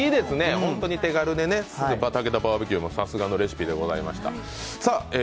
本当に手軽でね、たけだバーベキューもさすがでございました。